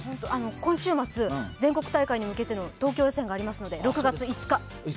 今週末、全国大会に向けての東京大会がありますので６月５日。